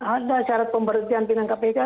ada syarat pemberhentian pimpinan kpk